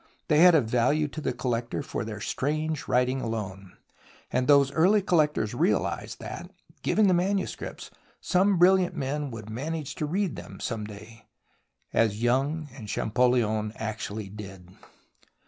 They had a value to the collector for their strange writing alone. And those early collectors realized that, given the manuscripts, some brilliant men would manage to read them some day, as Young and Champollion actually did.